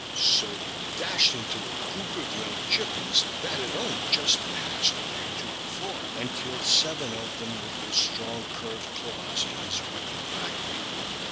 So he dashed into a group of young chickens that had only been hatched a day or two before, and killed seven of them with his strong, curved claws and his wicked black beak.